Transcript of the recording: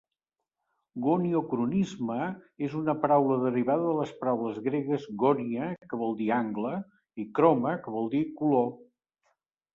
"Goniocromisme" és una paraula derivada de les paraules gregues "gonia", que vol dir "angle", i "chroma", que vol dir "color".